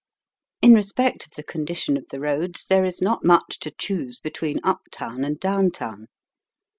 In respect of the condition of the roads there is not much to choose between up town and down town.